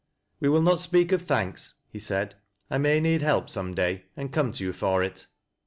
" Wc will not speak of thanks," he said. " I may need help some day, and come to you for it."